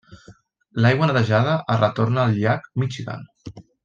L'aigua netejada es retorna al Llac Michigan.